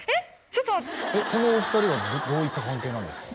ちょっと待ってこのお二人はどういった関係なんですか？